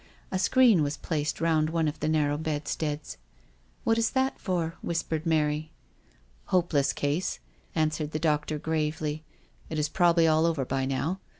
A screen was placed round one of the narrow bedsteads. u What is that for ?" whispered Mary. "Hopeless case," answered the doctor gravely. " It is probably all over by now.